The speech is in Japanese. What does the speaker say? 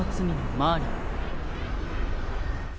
マーリン？